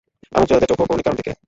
আর মুক্তিযোদ্ধার চোখও কণিকার দিকে।